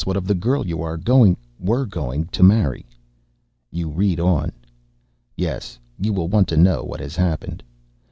What of the girl you are going were going to marry? You read on: "Yes, you will want to know what has happened.